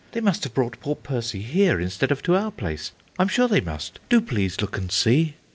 They must have brought poor Percy here instead of to our place, I'm sure they must. Do please look and see."